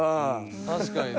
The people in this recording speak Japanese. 確かにね。